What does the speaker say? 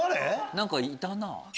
何かいたな。